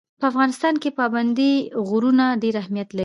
په افغانستان کې پابندی غرونه ډېر اهمیت لري.